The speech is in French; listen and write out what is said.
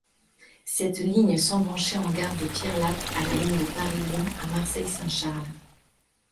Cette ligne s'embranchait en gare de Pierrelatte à la ligne de Paris-Lyon à Marseille-Saint-Charles.